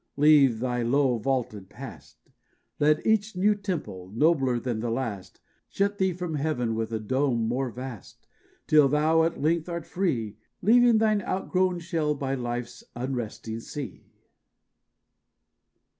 Leave thy low vaulted past! Let each new temple, nobler than the last, Shut thee from heaven with a dome more vast, Till thou at length art free, Leaving thine outgrown shell by life's unresting sea!